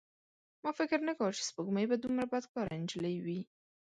ما فکر نه کاوه چې سپوږمۍ به دومره بدکاره نجلۍ وي.